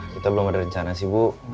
kita belum ada rencana sih bu